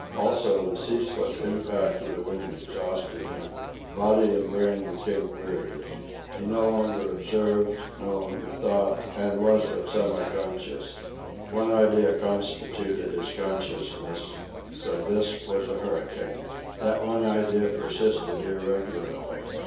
Also, the ceaseless impact of the wind exhausted him. Body and brain became wearied. He no longer observed, no longer thought, and was but semiconscious. One idea constituted his consciousness: SO THIS WAS A HURRICANE. That one idea persisted irregularly.